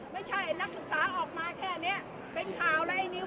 ไม่ใช่นักศึกษาออกมาแค่นี้เป็นข่าวแล้วไอ้นิว